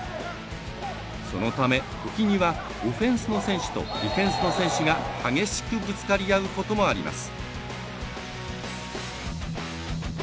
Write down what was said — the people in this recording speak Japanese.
そのため時にはオフェンスの選手とディフェンスの選手が激しくぶつかり合うこともあります。